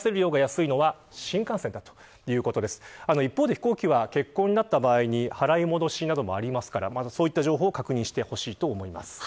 飛行機は欠航になった場合払い戻しなどもありますからそういった情報を確認してほしいと思います。